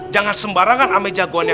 jangan sembarangan ame jagoannya